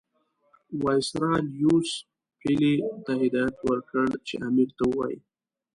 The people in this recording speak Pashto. وایسرا لیویس پیلي ته هدایت ورکړ چې امیر ته ووایي.